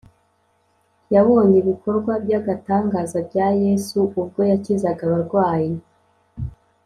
yabonye ibikorwa by’agatangaza bya yesu ubwo yakizaga abarwayi,